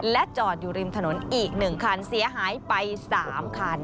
และจอดอยู่ริมถนนอีก๑คันเสียหายไป๓คัน